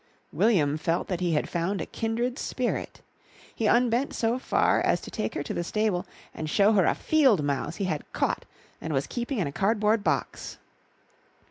William felt that he had found a kindred spirit. He unbent so far as to take her to the stable and show her a field mouse he had caught and was keeping in a cardboard box.